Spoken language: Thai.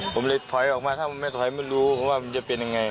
ผมเลยถอยออกมาถ้าไม่ถอยไม่รู้ว่ามันจะเป็นยังไง